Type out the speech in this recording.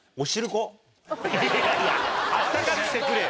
いやいや温かくしてくれよ。